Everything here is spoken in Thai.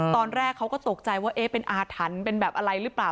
ตอนแรกเขาก็ตกใจว่าเอ๊ะเป็นอาถรรพ์เป็นแบบอะไรหรือเปล่า